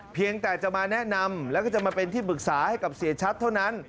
เพียงแต่จะมาแนะนำแล้วก็จะมาเป็นที่ปรึกษาให้กับเสียชัดเท่านั้น